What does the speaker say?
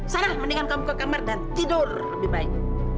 salah mendingan kamu ke kamar dan tidur lebih baik